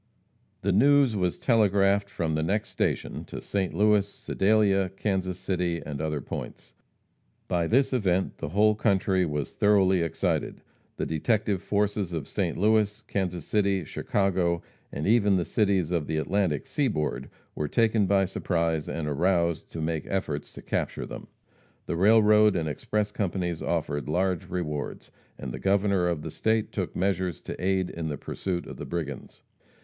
The news was telegraphed from the next station to St. Louis, Sedalia, Kansas City and other points. By this event the whole country was thoroughly excited. The detective forces of St. Louis, Kansas City, Chicago, and even the cities of the Atlantic seaboard were taken by surprise, and aroused to make efforts to capture them. The railroad and express companies offered large rewards, and the Governor of the state took measures to aid in the pursuit of the brigands.